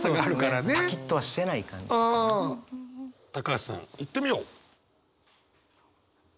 橋さんいってみよう。